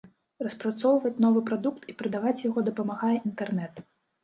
Распрацоўваць новы прадукт і прадаваць яго дапамагае інтэрнэт.